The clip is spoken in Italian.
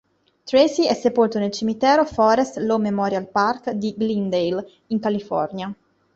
Tracy è sepolto nel cimitero "Forest Lawn Memorial Park" di Glendale, in California.